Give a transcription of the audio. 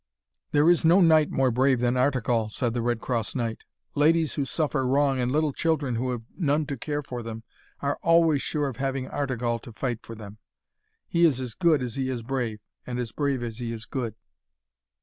'There is no knight more brave than Artegall,' said the Red Cross Knight. 'Ladies who suffer wrong, and little children who have none to care for them, are always sure of having Artegall to fight for them. He is as good as he is brave, and as brave as he is good.'